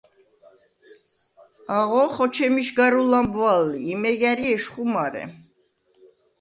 აღო ხოჩემიშგარუ ლამბვალ ი, იმეგ ა̈რი ეშხუ მარე.